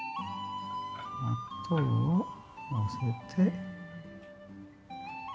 納豆をのせて。